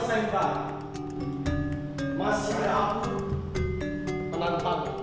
masih aku penantang